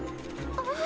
あっ！